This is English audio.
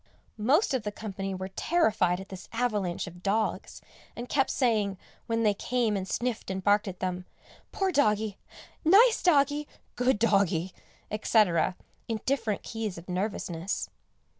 Most of the company were terrified at this avalanche of dogs, and kept saying, when they came and sniffed and barked at them, "poor doggie," "nice doggie," "good doggie," etc., in different keys of nervousness.